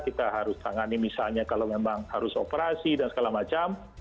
kita harus tangani misalnya kalau memang harus operasi dan segala macam